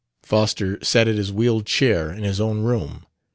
Foster sat in his wheeled chair in his own room.